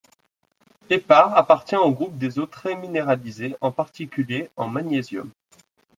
Hépar appartient au groupe des eaux très minéralisées, en particulier en magnésium.